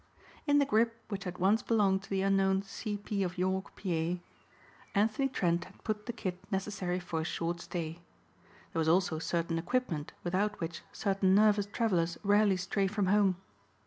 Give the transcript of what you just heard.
In the grip which had once belonged to the unknown "C. P. of York, Pa." Anthony Trent had put the kit necessary for a short stay. There was also certain equipment without which certain nervous travelers rarely stray from home.